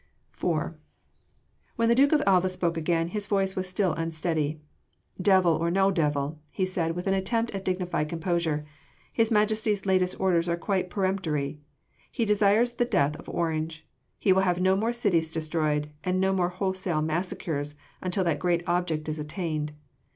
IV When the Duke of Alva spoke again, his voice was still unsteady: "Devil or no devil," he said with an attempt at dignified composure, "His majesty’s latest orders are quite peremptory. He desires the death of Orange. He will have no more cities destroyed, no more wholesale massacres until that great object is attained.